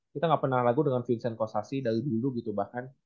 kita gak pernah lagu dengan vincent kostasi dari dulu gitu bahkan